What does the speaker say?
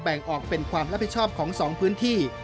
แบ่งออกเป็นความรับผิดชอบของ๒พื้นที่